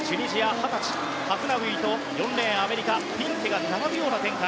２０歳ハフナウイと４レーン、アメリカのフィンケが並ぶような展開。